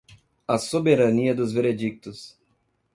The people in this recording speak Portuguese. a soberania dos veredictos;